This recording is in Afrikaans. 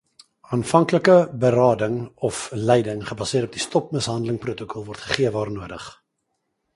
Aanvanklike berading of leiding gebaseer op die Stop Mishandeling-protokol word gegee waar nodig.